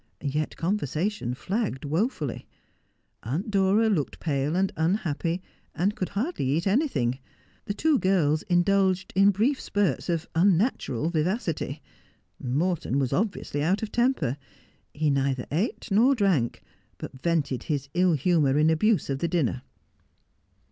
Yet conversation flagged wofully. Aunt Dora looked pale and unhappy, and could hardly eat anything. The two girls indulged in brief spurts of unnatural vivacity. Morton was obviously out of temper. He neither eat nor drank, but vented his ill humour in abuse of the dinner.